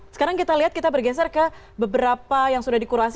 sekarang kita lihat kita bergeser ke beberapa yang sudah dikurasi